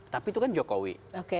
tapi itu kan jokowi